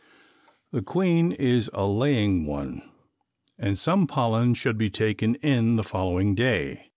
The queen is a laying one and some pollen should be taken in the following day.